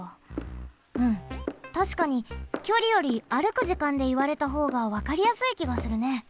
うんたしかにきょりより歩く時間でいわれたほうがわかりやすいきがするね。